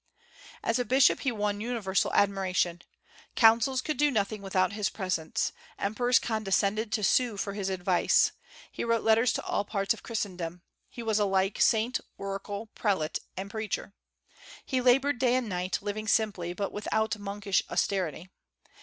As a bishop he won universal admiration. Councils could do nothing without his presence. Emperors condescended to sue for his advice. He wrote letters to all parts of Christendom. He was alike saint, oracle, prelate, and preacher. He labored day and night, living simply, but without monkish austerity.